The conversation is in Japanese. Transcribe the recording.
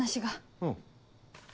うん。